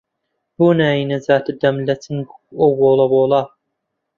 بۆ نایەی نەجاتت دەم لە چنگ ئەو بۆڵە بۆڵە